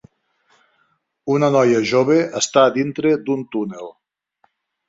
Una noia jove està dintre d'un túnel.